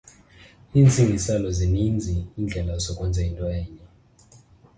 Intsingiselo Zininzi iindlela zokwenza into enye.